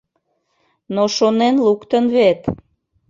Но шонен луктын вет...